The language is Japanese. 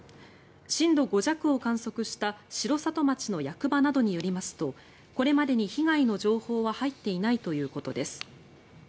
震度５弱を観測した城里町の役場などによりますとこれまでに被害の情報は入っていないということです。